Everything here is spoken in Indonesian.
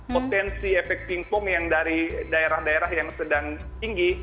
potensi efek pingpom yang dari daerah daerah yang sedang tinggi